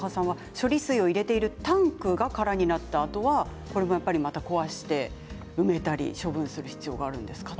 処理水を入れているタンクが空になったあと、これを壊して埋めたり処分する必要があるんですかと。